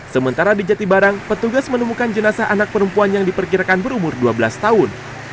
sementara di jatibarang petugas menemukan jenazah anak perempuan yang diperkirakan berumur dua belas tahun